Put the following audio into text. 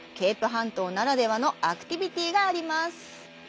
半島ならではのアクティビティがあります。